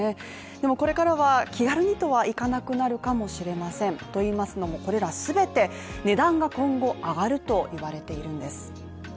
でもこれからは気軽にとはいかなくなるかもしれませんと言いますのもこれら全て値段が今後上がると言われているんです。